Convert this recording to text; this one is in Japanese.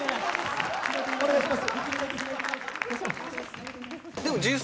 お願いします！